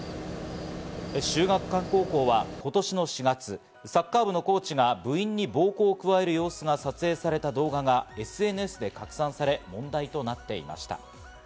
秀岳館高校は今年の４月、サッカー部のコーチが部員に暴行を加える様子が撮影された動画がＳＮＳで拡散され、問題となっていました。